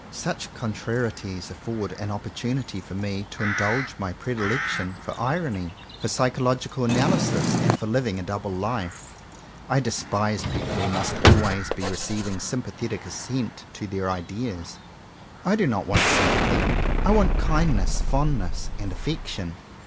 Such contrarieties afford an oppor tunity for me to indulge my predilection for irony, for psychological analysis, and for living a double life. I despise people who must always be receiving sympathetic as sent to their ideas. I do not want sym pathy. I want kindness, fondness and affection.